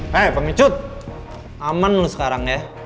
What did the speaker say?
hei pemicut aman lu sekarang